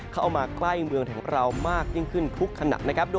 เข้ามาใกล้เมืองแหลวมากยิ่งขึ้นทุกขณะ